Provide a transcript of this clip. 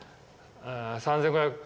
３，５００円。